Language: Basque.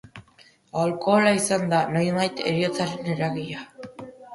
Alkohola izan da, nonbait, heriotzaren eragilea.